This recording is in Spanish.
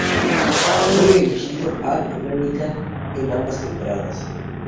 Fue elegido All-American en ambas temporadas.